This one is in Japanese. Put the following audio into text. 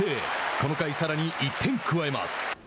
この回さらに１点加えます。